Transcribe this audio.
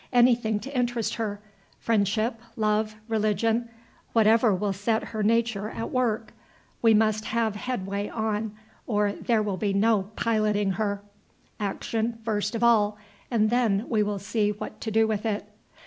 Anything to interest her. Friendship, love, religion, whatever will set her nature at work. We must have headway on, or there will be no piloting her. Action first of all, and then we will see what to do with it."